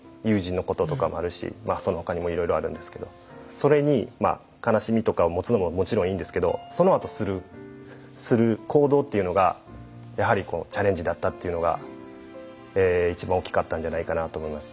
それに悲しみとかを持つのももちろんいいんですけどそのあとする行動っていうのがやはりチャレンジだったっていうのが一番大きかったんじゃないかなと思います。